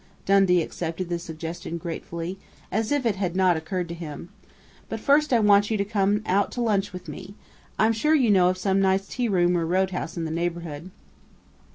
Dundee accepted the suggestion gratefully, as if it had not occurred to him. "But first I want you to come out to lunch with me. I'm sure you know of some nice tearoom or roadhouse in the neighborhood."